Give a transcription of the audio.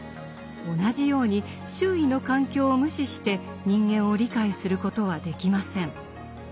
同じように周囲の環境を無視して人間を理解することはできません。